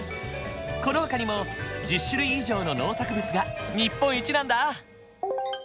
このほかにも１０種類以上の農作物が日本一なんだ。